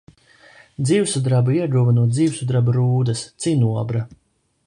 Dzīvsudrabu ieguva no dzīvsudraba rūdas – cinobra.